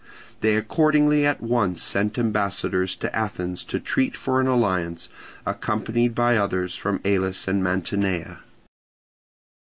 They accordingly at once sent ambassadors to Athens to treat for an alliance, accompanied by others from Elis and Mantinea.